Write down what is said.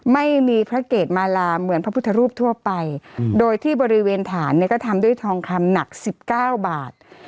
ไม่มีพระเกตมาลาเหมือนพระพุทธรูปทั่วไปโดยที่บริเวณฐานเนี่ยก็ทำด้วยทองคำหนักสิบเก้าบาท